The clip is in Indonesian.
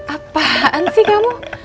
apaan sih kamu